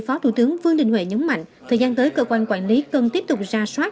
phó thủ tướng vương đình huệ nhấn mạnh thời gian tới cơ quan quản lý cần tiếp tục ra soát